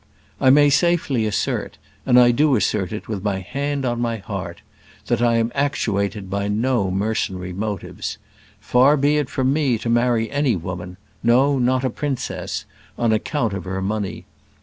I may safely assert and I do assert it with my hand on my heart that I am actuated by no mercenary motives. Far be it from me to marry any woman no, not a princess on account of her money.